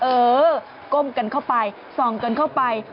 เออก้มกันเข้าไปส่องกันเข้าไป